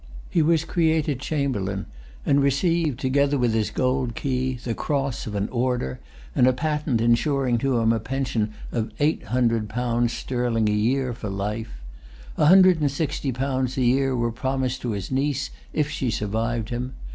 He was created chamberlain, and received, together with his gold key, the cross of an order, and a patent insuring to him a pension of eight hundred pounds sterling a year for[Pg 287] life. A hundred and sixty pounds a year were promised to his niece if she survived him.